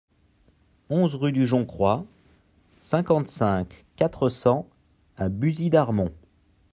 onze rue du Joncroy, cinquante-cinq, quatre cents à Buzy-Darmont